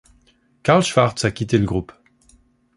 Carl Schwartz a quitté le groupe.